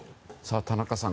田中さん